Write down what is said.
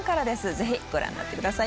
ぜひご覧になってください